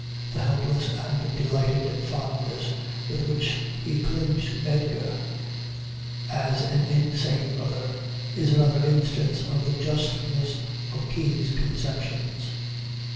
The helpless and delighted fondness with which he clings to Edgar, as an insane brother, is another instance of the justness of Kean's conceptions.